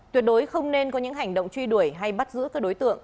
tuyệt đối không nên có những hành động truy đuổi hay bắt giữ các đối tượng